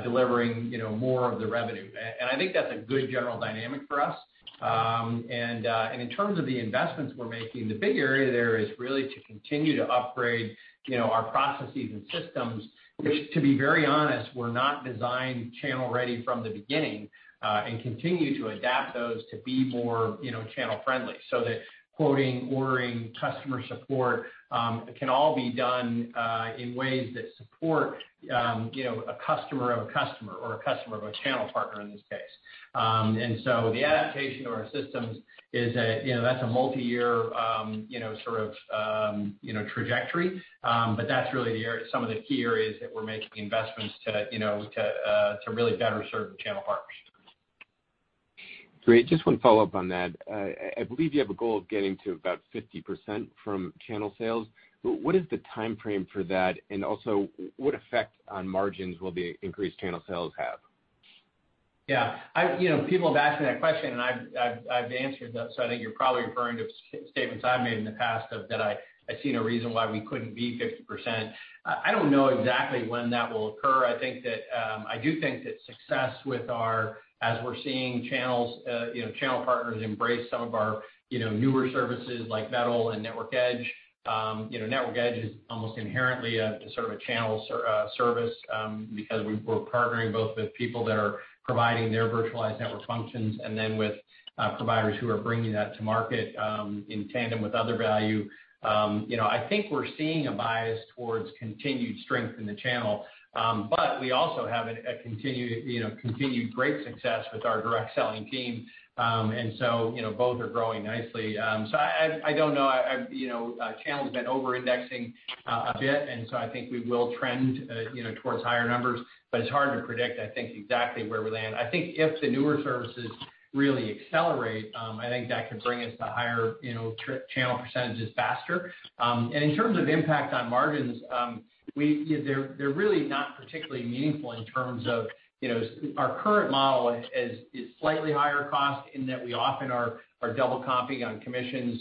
delivering more of the revenue. I think that's a good general dynamic for us. In terms of the investments we're making, the big area there is really to continue to upgrade our processes and systems, which to be very honest, were not designed channel ready from the beginning, and continue to adapt those to be more channel friendly so that quoting, ordering, customer support, can all be done in ways that support a customer of a customer or a customer of a channel partner in this case. The adaptation of our systems, that's a multi-year sort of trajectory. That's really some of the key areas that we're making investments to really better serve the channel partners. Great. Just one follow-up on that. I believe you have a goal of getting to about 50% from channel sales. What is the timeframe for that? Also, what effect on margins will the increased channel sales have? Yeah. People have asked me that question, and I've answered it, so I think you're probably referring to statements I've made in the past that I see no reason why we couldn't be 50%. I don't know exactly when that will occur. I do think that success as we're seeing channel partners embrace some of our newer services like Metal and Network Edge. Network Edge is almost inherently a channel service, because we're partnering both with people that are providing their virtualized network functions and then with providers who are bringing that to market in tandem with other value. I think we're seeing a bias towards continued strength in the channel. We also have a continued great success with our direct selling team. Both are growing nicely. I don't know. Channel's been over-indexing a bit. I think we will trend towards higher numbers. It's hard to predict, I think, exactly where we land. I think if the newer services really accelerate, I think that could bring us to higher channel percentages faster. In terms of impact on margins, they're really not particularly meaningful. Our current model is slightly higher cost in that we often are double-comping on commissions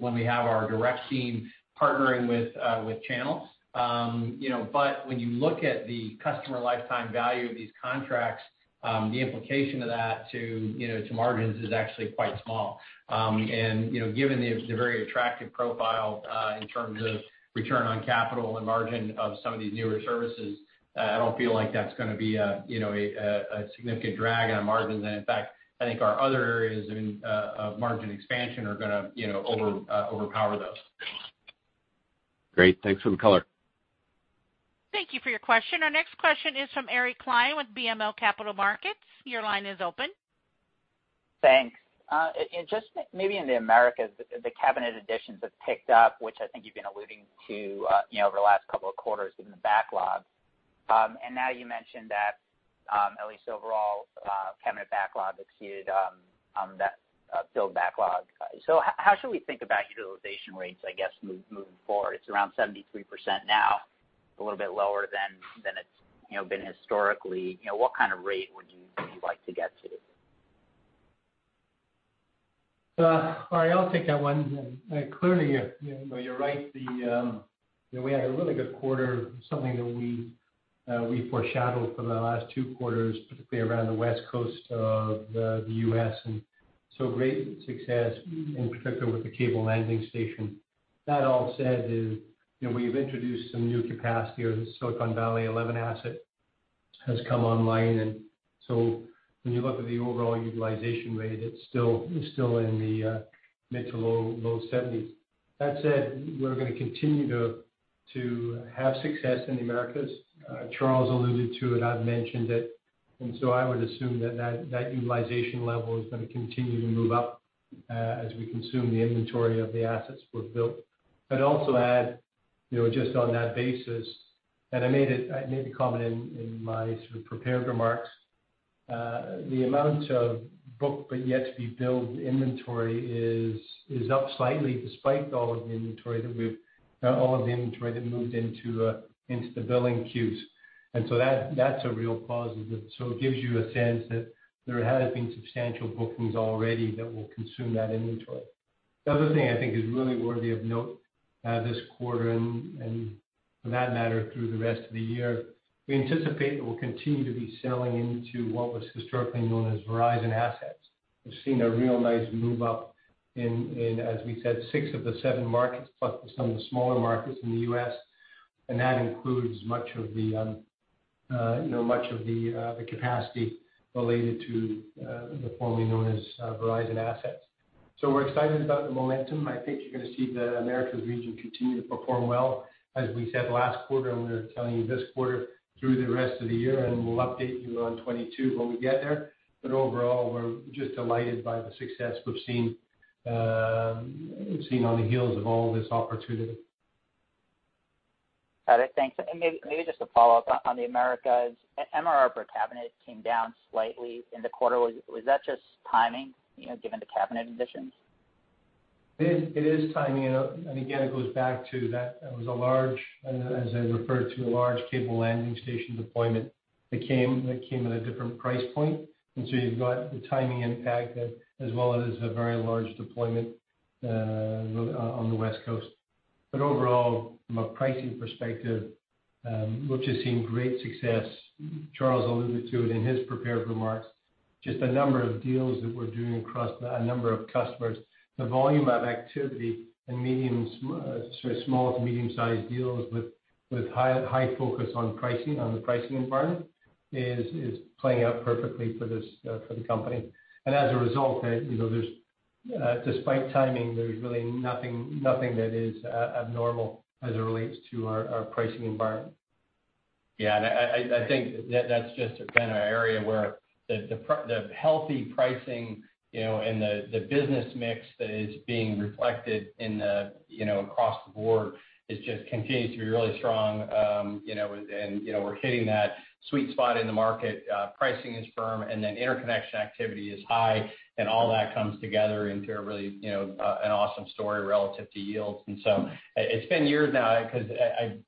when we have our direct team partnering with channels. When you look at the customer lifetime value of these contracts, the implication of that to margins is actually quite small. Given the very attractive profile, in terms of return on capital and margin of some of these newer services, I don't feel like that's going to be a significant drag on margins. In fact, I think our other areas of margin expansion are going to overpower those. Great. Thanks for the color. Thank you for your question. Our next question is from Ari Klein with BMO Capital Markets. Your line is open. Thanks. Just maybe in the Americas, the cabinet additions have picked up, which I think you've been alluding to over the last couple of quarters in the backlog. Now you mentioned that at least overall, cabinet backlog executed on that build backlog. How should we think about utilization rates, I guess, moving forward? It's around 73% now, a little bit lower than it's been historically. What kind of rate would you like to get to? I'll take that one. Clearly, you're right. We had a really good quarter, something that we foreshadowed for the last two quarters, particularly around the West Coast of the U.S., great success in particular with the cable landing station. That all said is, we've introduced some new capacity. Our Silicon Valley 11 asset has come online, when you look at the overall utilization rate, it's still in the mid-to-low 70s. That said, we're going to continue to have success in the Americas. Charles alluded to it, I've mentioned it, I would assume that that utilization level is going to continue to move up as we consume the inventory of the assets we've built. I'd also add, just on that basis, I made a comment in my prepared remarks, the amount of book but yet to be billed inventory is up slightly despite all of the inventory that moved into the billing queues. That's a real positive. It gives you a sense that there has been substantial bookings already that will consume that inventory. The other thing I think is really worthy of note this quarter, for that matter, through the rest of the year, we anticipate that we'll continue to be selling into what was historically known as Verizon assets. We've seen a real nice move up in, as we said, six of the seven markets, plus some of the smaller markets in the U.S., that includes much of the capacity related to the formerly known as Verizon assets. We're excited about the momentum. I think you're going to see the Americas region continue to perform well, as we said last quarter, and we're telling you this quarter through the rest of the year, and we'll update you on 2022 when we get there. But overall, we're just delighted by the success we've seen on the heels of all this opportunity. Got it, thanks. Maybe just a follow-up on the Americas. MRR per cabinet came down slightly in the quarter. Was that just timing, given the cabinet additions? It is timing. Again, it goes back to that. It was, as I referred to, a large cable landing station deployment that came at a different price point. You've got the timing impact as well as a very large deployment on the West Coast. Overall, from a pricing perspective, we've just seen great success. Charles alluded to it in his prepared remarks. Just the number of deals that we're doing across a number of customers. The volume of activity in small to medium-sized deals with high focus on the pricing environment is playing out perfectly for the company. As a result, despite timing, there's really nothing that is abnormal as it relates to our pricing environment. I think that's just again, an area where the healthy pricing and the business mix that is being reflected across the board just continues to be really strong. We're hitting that sweet spot in the market. Pricing is firm, interconnection activity is high, all that comes together into an awesome story relative to yields. It's been years now because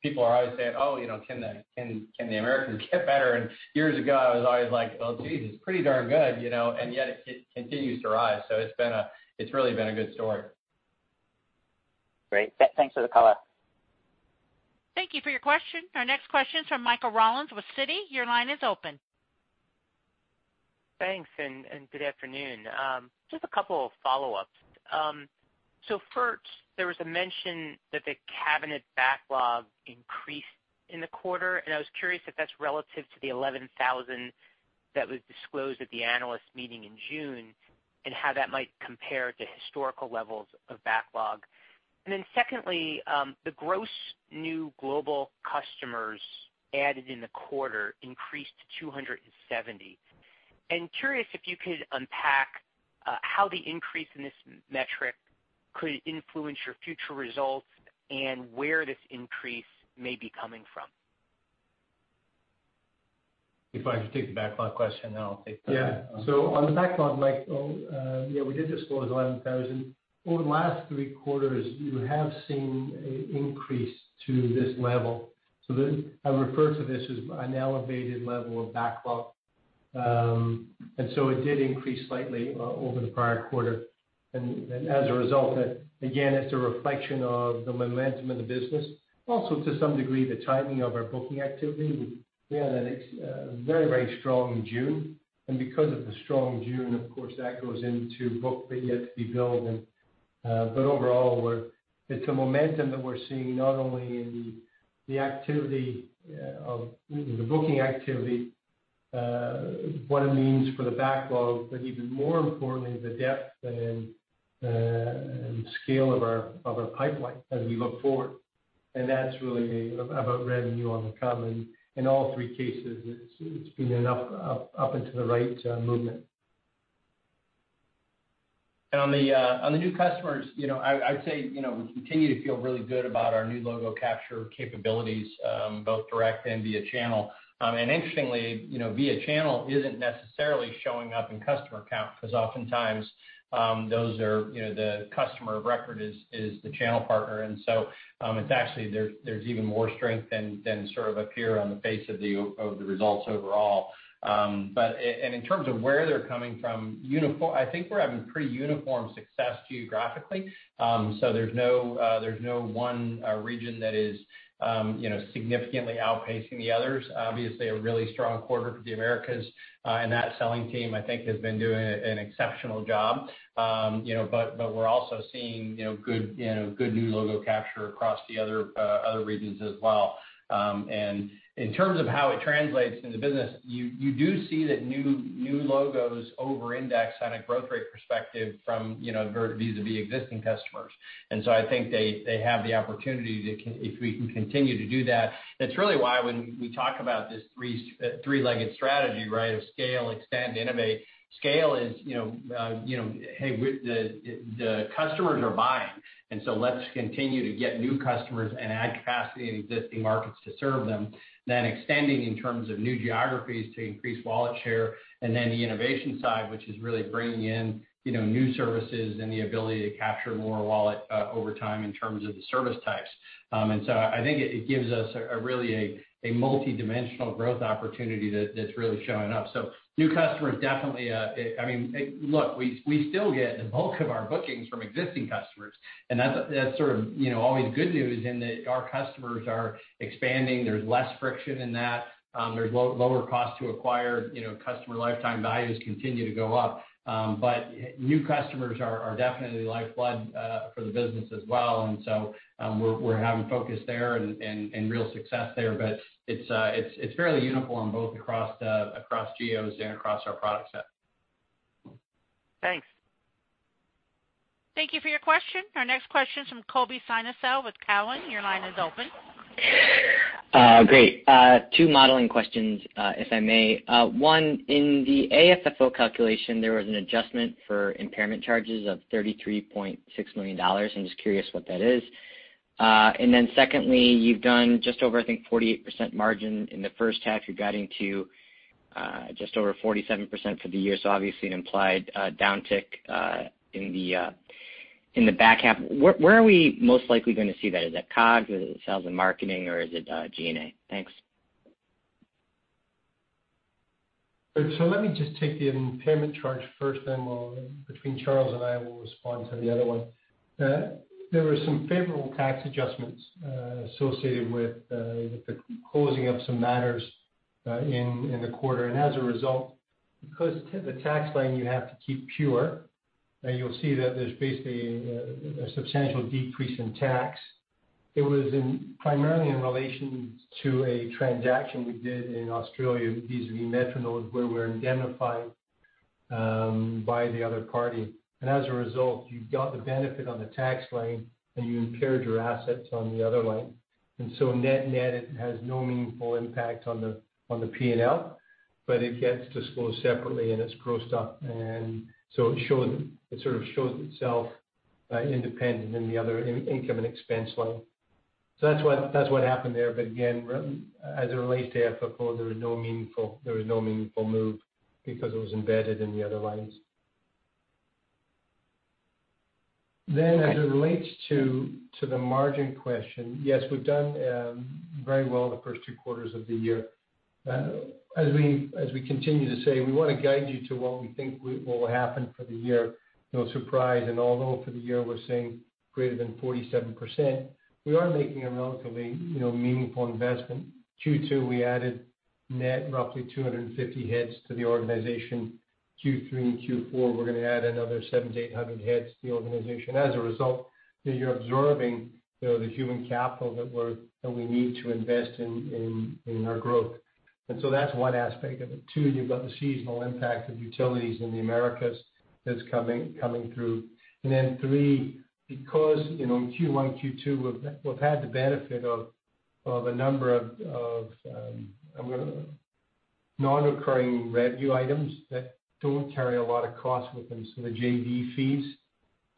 people are always saying, "Oh, can the Americas get better?" Years ago, I was always like, "Well, geez, it's pretty darn good." It continues to rise, so it's really been a good story. Great. Thanks for the color. Thank you for your question. Our next question is from Michael Rollins with Citi. Your line is open. Thanks, and good afternoon. Just a couple of follow-ups. First, there was a mention that the cabinet backlog increased in the quarter, and I was curious if that's relative to the 11,000 that was disclosed at the Analyst Day in June, and how that might compare to historical levels of backlog. Secondly, the gross new global customers added in the quarter increased to 270. I'm curious if you could unpack how the increase in this metric could influence your future results and where this increase may be coming from. If I could take the backlog question, then I'll take. On the backlog, Michael Rollins, we did disclose 11,000. Over the last three quarters, you have seen an increase to this level. I refer to this as an elevated level of backlog. It did increase slightly over the prior quarter. As a result, again, it's a reflection of the momentum of the business, also to some degree, the timing of our booking activity. We had a very strong June, and because of the strong June, of course, that goes into book but yet to be billed. Overall, it's a momentum that we're seeing not only in the booking activity, what it means for the backlog, but even more importantly, the depth and scale of our pipeline as we look forward. That's really about revenue on the come. In all three cases, it's been an up and to the right movement. On the new customers, I'd say, we continue to feel really good about our new logo capture capabilities, both direct and via channel. Interestingly, via channel isn't necessarily showing up in customer count because oftentimes the customer of record is the channel partner. Actually, there's even more strength than sort of appear on the face of the results overall. In terms of where they're coming from, I think we're having pretty uniform success geographically. There's no one region that is significantly outpacing the others. Obviously, a really strong quarter for the Americas, and that selling team, I think, has been doing an exceptional job. We're also seeing good new logo capture across the other regions as well. In terms of how it translates into business, you do see that new logos over-index on a growth rate perspective from vis-à-vis existing customers. I think they have the opportunity if we can continue to do that. That's really why when we talk about this three-legged strategy of Scale, Extend, Innovate, Scale is, the customers are buying, let's continue to get new customers and add capacity in existing markets to serve them. Extending in terms of new geographies to increase wallet share, the innovation side, which is really bringing in new services and the ability to capture more wallet over time in terms of the service types. I think it gives us really a multidimensional growth opportunity that's really showing up. New customers. Look, we still get the bulk of our bookings from existing customers, and that's sort of always good news in that our customers are expanding. There's less friction in that. There's lower cost to acquire. Customer lifetime values continue to go up. New customers are definitely lifeblood for the business as well. We're having focus there and real success there. It's fairly uniform both across geos and across our product set. Thanks. Thank you for your question. Our next question is from Colby Synesael with Cowen. Your line is open. Great. Two modeling questions, if I may. One, in the AFFO calculation, there was an adjustment for impairment charges of $33.6 million. I'm just curious what that is. Secondly, you've done just over, I think, 48% margin in the first half. You're guiding to just over 47% for the year. obviously an implied downtick in the back half. Where are we most likely going to see that? Is that COGS? Is it sales and marketing, or is it G&A? Thanks. Let me just take the impairment charge first, then between Charles and I, we'll respond to the other one. There were some favorable tax adjustments associated with the closing of some matters in the quarter. As a result, because the tax line you have to keep pure, you'll see that there's basically a substantial decrease in tax. It was primarily in relation to a transaction we did in Australia vis-à-vis Metronode, where we're indemnified by the other party. As a result, you've got the benefit on the tax line, and you impaired your assets on the other line. Net-net, it has no meaningful impact on the P&L, but it gets disclosed separately and it's grossed up. It sort of shows itself independent in the other income and expense line. That's what happened there. Again, as it relates to AFFO, there was no meaningful move because it was embedded in the other lines. As it relates to the margin question, yes, we've done very well the first two quarters of the year. As we continue to say, we want to guide you to what we think will happen for the year. No surprise. Although for the year we're saying greater than 47%, we are making a relatively meaningful investment. Q2, we added net roughly 250 heads to the organization. Q3 and Q4, we're going to add another 700 to 800 heads to the organization. As a result, you're absorbing the human capital that we need to invest in our growth. That's one aspect of it. Two, you've got the seasonal impact of utilities in the Americas that's coming through. Three, because in Q1, Q2, we've had the benefit of a number of non-recurring revenue items that don't carry a lot of cost with them, the JV fees,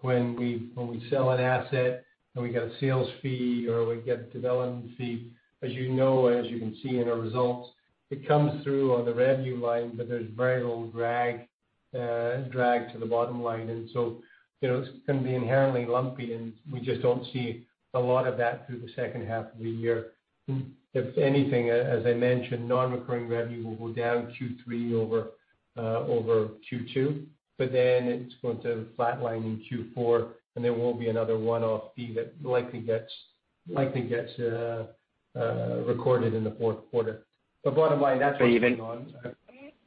when we sell an asset and we get a sales fee or we get a development fee. As you know, as you can see in our results, it comes through on the revenue line, but there's very little drag to the bottom line. It's going to be inherently lumpy, and we just don't see a lot of that through the second half of the year. If anything, as I mentioned, non-recurring revenue will go down Q3 over Q2, but then it's going to flatline in Q4, and there will be another one-off fee that likely gets recorded in the Q4. Bottom line, that's what's going on.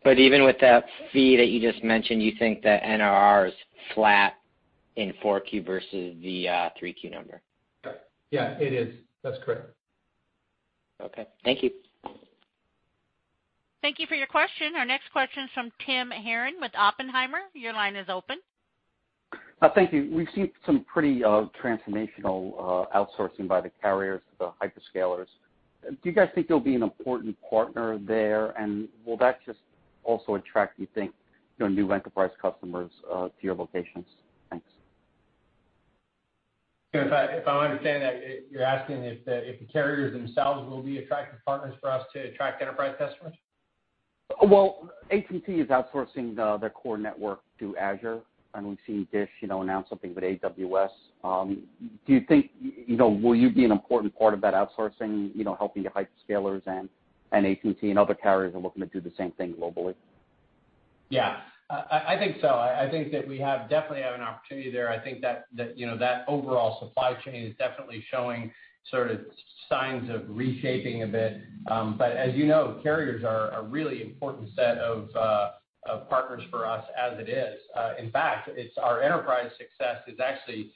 Even with that fee that you just mentioned, you think that NRR is flat in Q4 versus the Q3 number? Yeah, it is. That's correct. Okay. Thank you. Thank you for your question. Our next question is from Tim Horan with Oppenheimer. Your line is open. Thank you. We've seen some pretty transformational outsourcing by the carriers, the hyperscalers. Do you guys think you'll be an important partner there? Will that just also attract, you think, new enterprise customers to your locations? Thanks. If I understand that, you're asking if the carriers themselves will be attractive partners for us to attract enterprise customers? AT&T is outsourcing their core network to Azure, we've seen Dish announce something with AWS. Will you be an important part of that outsourcing, helping the hyperscalers and AT&T and other carriers are looking to do the same thing globally? Yeah. I think so. I think that we definitely have an opportunity there. I think that overall supply chain is definitely showing signs of reshaping a bit. As you know, carriers are a really important set of partners for us as it is. In fact, our enterprise success is actually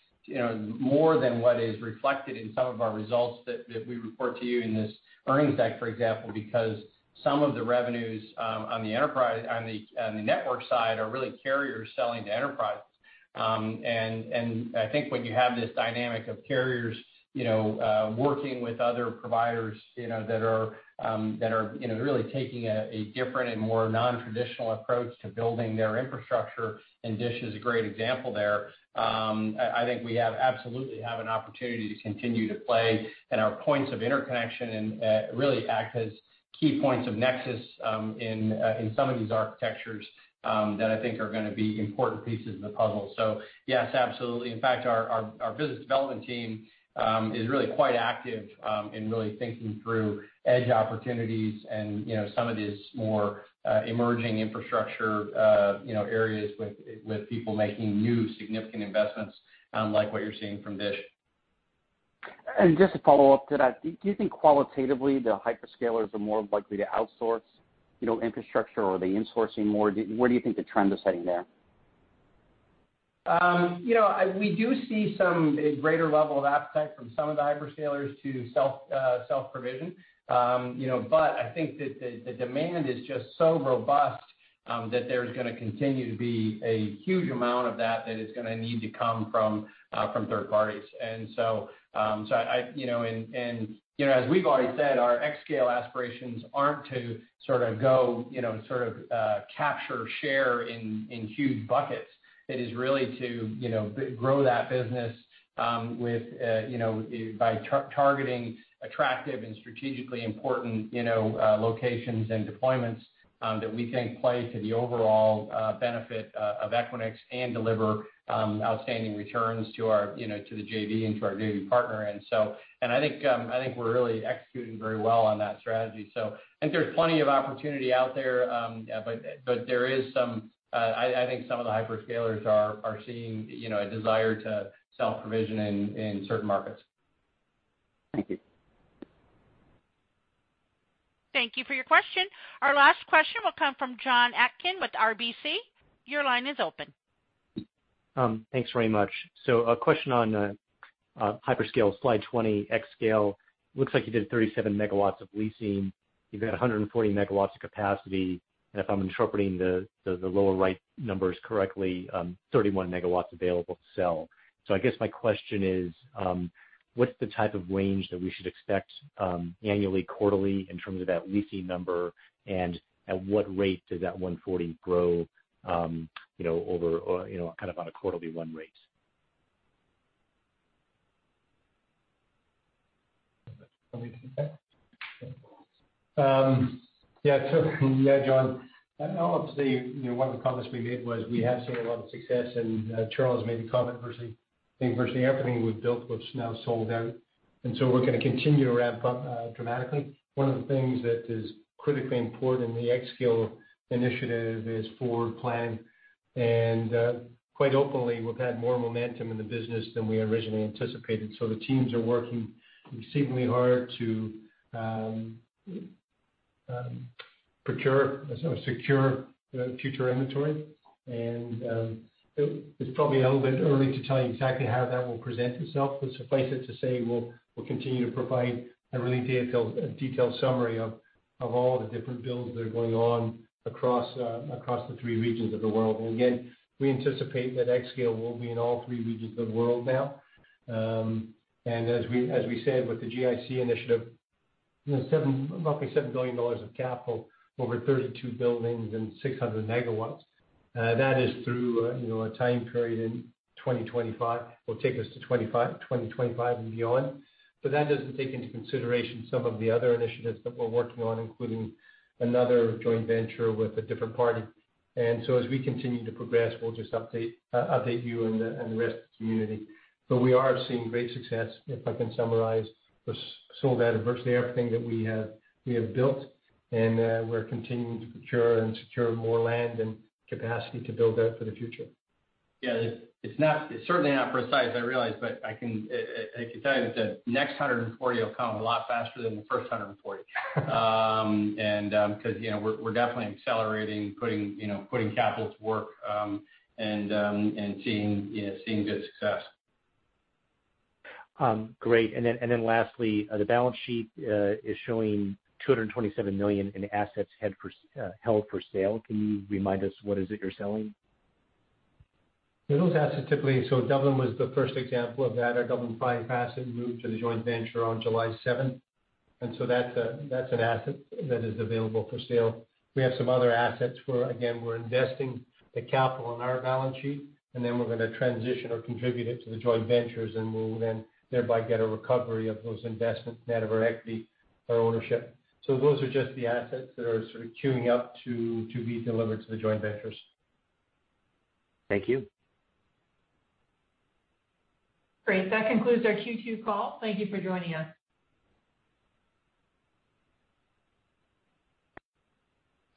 more than what is reflected in some of our results that we report to you in this earnings deck, for example, because some of the revenues on the network side are really carriers selling to enterprises. I think when you have this dynamic of carriers working with other providers that are really taking a different and more non-traditional approach to building their infrastructure, and Dish is a great example there, I think we absolutely have an opportunity to continue to play and our points of interconnection and really act as key points of nexus in some of these architectures that I think are going to be important pieces of the puzzle. Yes, absolutely. In fact, our business development team is really quite active in really thinking through edge opportunities and some of these more emerging infrastructure areas with people making new significant investments, like what you're seeing from Dish. Just to follow up to that, do you think qualitatively the hyperscalers are more likely to outsource infrastructure or are they insourcing more? Where do you think the trend is heading there? We do see some greater level of appetite from some of the hyperscalers to self-provision. I think that the demand is just so robust that there's going to continue to be a huge amount of that is going to need to come from third parties. As we've already said, our xScale aspirations aren't to go capture share in huge buckets. It is really to grow that business by targeting attractive and strategically important locations and deployments that we think play to the overall benefit of Equinix and deliver outstanding returns to the JV and to our JV partner. I think we're really executing very well on that strategy. I think there's plenty of opportunity out there. I think some of the hyperscalers are seeing a desire to self-provision in certain markets. Thank you. Thank you for your question. Our last question will come from Jon Atkin with RBC. Your line is open. A question on hyperscale, slide 20, xScale. Looks like you did 37 MW of leasing. You've got 140 MW of capacity. And if I'm interpreting the lower right numbers correctly, 31 MW available to sell. I guess my question is, what's the type of range that we should expect annually, quarterly in terms of that leasing number, and at what rate does that 140 grow over on a quarterly run rate? Yeah, Jon. I'll say, one of the comments we made was we have seen a lot of success, and Charles made a comment versus. I think virtually everything we've built was now sold out. So we're going to continue to ramp up dramatically. One of the things that is critically important in the xScale initiative is forward planning. Quite openly, we've had more momentum in the business than we originally anticipated. The teams are working exceedingly hard to procure, secure future inventory. It's probably a little bit early to tell you exactly how that will present itself, but suffice it to say, we'll continue to provide a really detailed summary of all the different builds that are going on across the three regions of the world. Again, we anticipate that xScale will be in all three regions of the world now. As we said with the GIC initiative, roughly $7 billion of capital over 32 buildings and 600 MW. That is through a time period in 2025, will take us to 2025 and beyond. That doesn't take into consideration some of the other initiatives that we're working on, including another joint venture with a different party. As we continue to progress, we'll just update you and the rest of the community. We are seeing great success, if I can summarize, we've sold out virtually everything that we have built, and we're continuing to procure and secure more land and capacity to build out for the future. Yeah. It's certainly not precise, I realize, but I can tell you the next 140 will come a lot faster than the first 140. Because we're definitely accelerating, putting capital to work, and seeing good success. Great. Lastly, the balance sheet is showing $227 million in assets held for sale. Can you remind us what is it you're selling? Those assets typically. Dublin was the first example of that. Our Dublin 5 asset moved to the joint venture on July 7th. That's an asset that is available for sale. We have some other assets where again, we're investing the capital on our balance sheet, and then we're going to transition or contribute it to the joint ventures, and we'll then thereby get a recovery of those investments out of our equity or ownership. Those are just the assets that are sort of queuing up to be delivered to the joint ventures. Thank you. Great. That concludes our Q2 call. Thank you for joining us.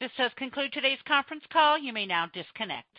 This does conclude today's conference call. You may now disconnect.